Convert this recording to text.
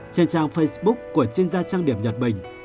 trên trang facebook của chuyên gia trang điểm nhật bình